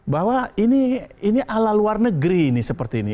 bahwa ini ala luar negeri ini seperti ini